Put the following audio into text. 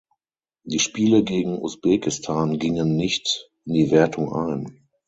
Die Spiele gegen Usbekistan gingen nicht in die Wertung ein.